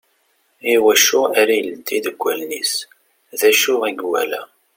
I wacu ara ileddi deg wallen-is? D ucu i yewala?